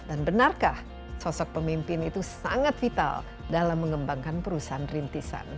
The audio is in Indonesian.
dan benarkah sosok pemimpin itu sangat vital dalam mengembangkan perusahaan rintisan